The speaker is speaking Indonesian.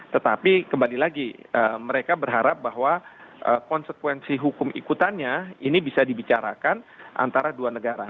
tetapi kembali lagi mereka berharap bahwa konsekuensi hukum ikutannya ini bisa dibicarakan antara dua negara